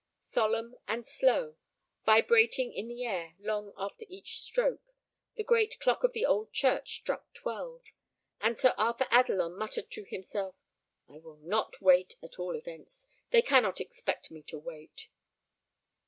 Solemn and slow, vibrating in the air long after each stroke, the great clock of the old church struck twelve, and Sir Arthur Adelon muttered to himself, "I will not wait, at all events; they cannot expect me to wait."